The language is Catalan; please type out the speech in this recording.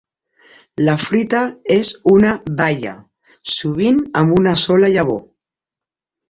La fruita és una baia, sovint amb una sola llavor.